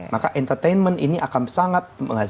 maka entertainment ini akan sangat menghasilkan